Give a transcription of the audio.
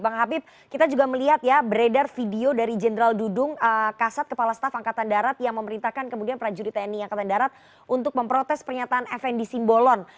bang habib kita juga melihat ya beredar video dari jenderal dudung kasat kepala staf angkatan darat yang memerintahkan kemudian prajurit tni angkatan darat untuk memprotes pernyataan fnd simbolon